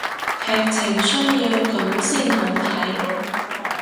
劇情需要噉先好睇